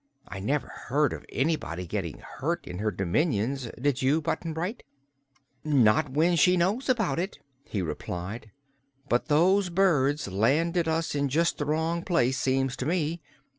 I never heard of anybody getting hurt in her dominions, did you, Button Bright?" "Not when she knows about it," he replied. "But those birds landed us in just the wrong place, seems to me.